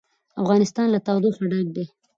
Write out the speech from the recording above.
افغانستان له تودوخه ډک دی.